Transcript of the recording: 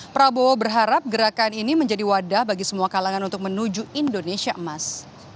prabowo berharap gerakan ini menjadi wadah bagi semua kalangan untuk menuju indonesia emas